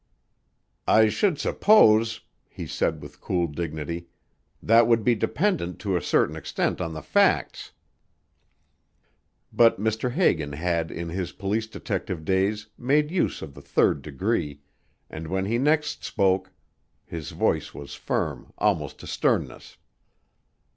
"I should suppose," he said with cool dignity, "that would be dependent to a certain extent on the facts." But Mr. Hagan had in his police detective days made use of the third degree, and when he next spoke his voice was firm almost to sternness.